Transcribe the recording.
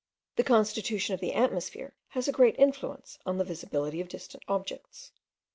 The constitution of the atmosphere has a great influence on the visibility of distant objects.